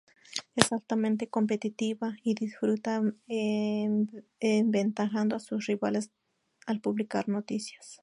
Es altamente competitiva, y disfruta aventajando a sus rivales al publicar noticias.